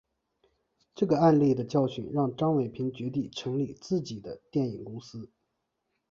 这个案例的教训让张伟平决定成立自己的电影公司。